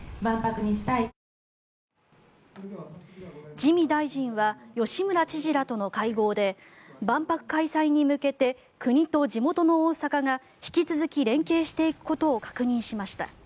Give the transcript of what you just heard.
自見大臣は吉村知事らとの会合で万博開催に向けて国と地元の大阪が引き続き連携していくことを確認しました。